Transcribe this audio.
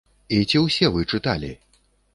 І ці ўсе вы чыталі?